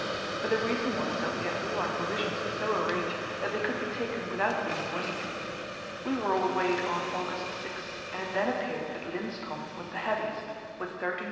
But the reason was that we had all our provisions so arranged that they could be taken without being weighed. We were all weighed on August 6, and it then appeared that Lindström was the heaviest, with 13 st.